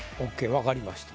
わかりました。